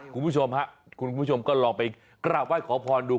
คุณผู้ชมค่ะก็ลองไปกราบไหว้ขอพรดู